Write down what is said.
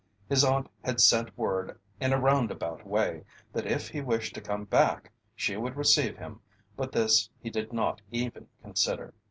His aunt had sent word in a roundabout way that if he wished to come back she would receive him, but this he did not even consider.